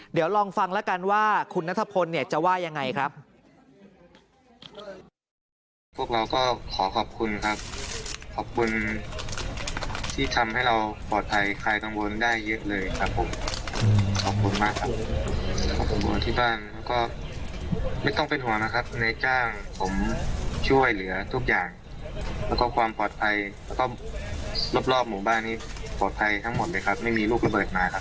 เดี๋ยวลองฟังแล้วกันว่าคุณนัทพลเนี่ยจะว่ายังไงครับ